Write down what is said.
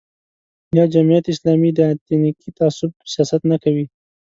یا جمعیت اسلامي د اتنیکي تعصب سیاست نه کوي.